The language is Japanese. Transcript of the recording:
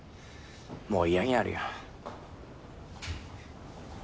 もう嫌になるよ。